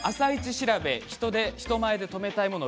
調べ人前で止めたいもの